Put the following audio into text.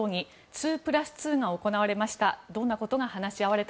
２プラス２が行われました。